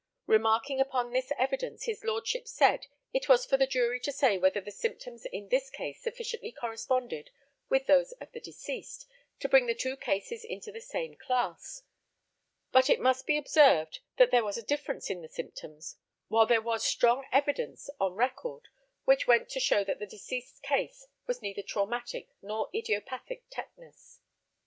Remarking upon this evidence, his lordship said it was for the jury to say whether the symptoms in this case sufficiently corresponded with those of the deceased, to bring the two cases into the same class; but it must be observed that there was a difference in the symptoms, while there was strong evidence on record, which went to show that the deceased's case was neither traumatic nor idiopathic tetanus.